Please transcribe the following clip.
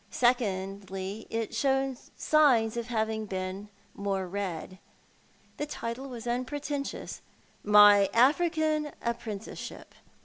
Secondly, it showed signs of having been more read. The title was unpretentious— " My African Apprenticeship."